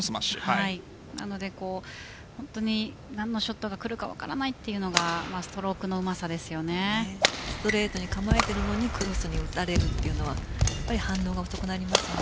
なので、何のショットが来るか分からないというのがストレートに構えているのにクロスに打たれるというのは反応が遅くなりますよね。